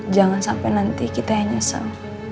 jangan sampai nanti kita yang nyesel